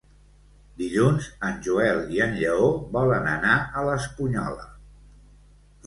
Dilluns en Joel i en Lleó volen anar a l'Espunyola.